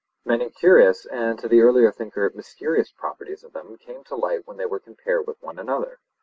Many curious and, to the early thinker, mysterious properties of them came to light when they were compared with one another.